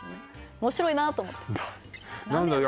面白いなと思って何だろう